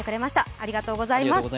ありがとうございます。